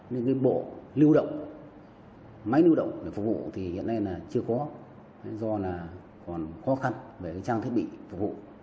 những bộ lưu động máy lưu động để phục vụ thì hiện nay là chưa có do là còn khó khăn về trang thiết bị phục vụ